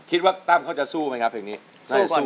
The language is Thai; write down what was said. คิดว่าตั้มเขาจะสู้ไหมครับเพลงนี้ตั้มเขาจะสู้ไหมครับเพลงนี้